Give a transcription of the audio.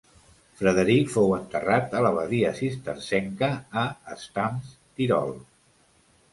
Frederic fou enterrat a l'abadia cistercenca a Stams, Tirol.